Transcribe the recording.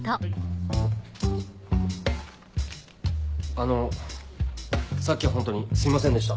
あのさっきはホントにすいませんでした。